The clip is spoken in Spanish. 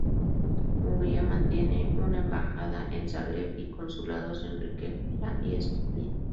Hungría mantiene una embajada en Zagreb y consulados en Rijeka y Split.